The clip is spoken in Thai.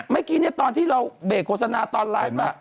ไม่กี่นี้ตอนที่เราเบเกโฆษณาตอนไลฟ์